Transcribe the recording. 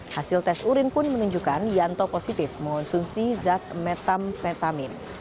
hasil tes urin pun menunjukkan yanto positif mengonsumsi zat metamfetamin